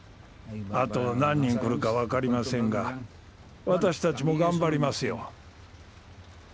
あと何人来るか分かりませんが私たちも頑張りますよ。